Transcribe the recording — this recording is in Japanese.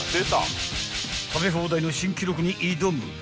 ［食べ放題の新記録に挑む